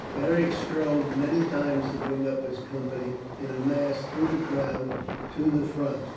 Beric strove many times to bring up his company in a mass through the crowd to the front.